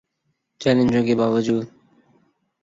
چیلنجوں کے باوجو